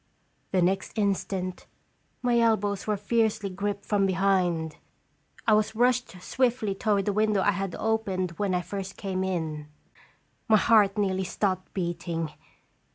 The next instant, my elbows were fiercely gripped from behind. I was rushed swiftly toward the window I had opened when I first came in. My heart nearly stopped beating.